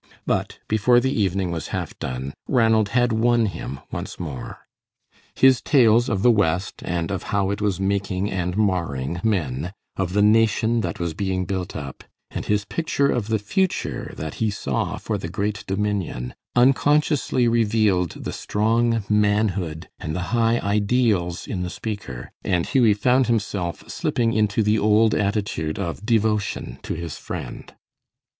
But before the evening was half done Ranald had won him once more. His tales of the West, and of how it was making and marring men, of the nation that was being built up, and his picture of the future that he saw for the great Dominion, unconsciously revealed the strong manhood and the high ideals in the speaker, and Hughie found himself slipping into the old attitude of devotion to his friend.